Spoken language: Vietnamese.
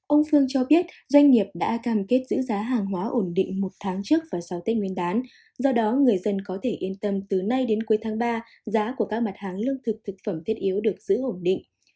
ông phương cho biết doanh nghiệp đã cam kết giữ giá hàng hóa ổn định một tháng trước và sau tết nguyên đán do đó người dân có thể yên tâm từ nay đến cuối tháng ba giá của các mặt hàng lương thực thực phẩm thiết yếu được giữ ổn định